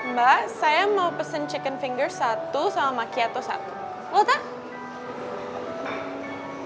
mbak saya mau pesen chicken finger satu sama macchiato satu